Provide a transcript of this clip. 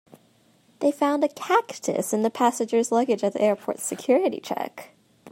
They found a cactus in a passenger's luggage at the airport's security check.